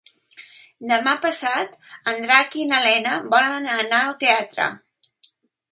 Demà passat en Drac i na Lena volen anar al teatre.